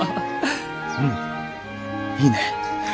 うんいいね。